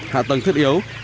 hạ tầng thiết yếu